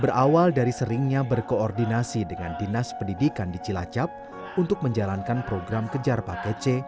berawal dari seringnya berkoordinasi dengan dinas pendidikan di cilacap untuk menjalankan program kejar paket c